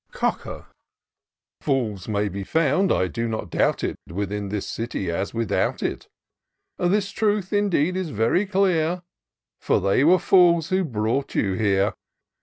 " Cocker. "* Fools may be found, I do not doubt it. Within this City as without it ; This truth, indeed, is very clear. For they were fools who brought you here.